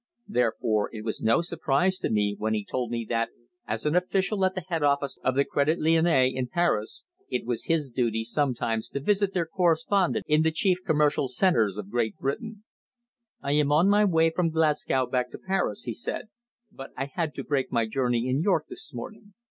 Therefore it was no surprise to me when he told me that, as an official at the head office of the Crédit Lyonnais in Paris, it was his duty sometimes to visit their correspondents in the chief commercial centres of Great Britain. "I am on my way from Glasgow back to Paris," he said. "But I had to break my journey in York this morning.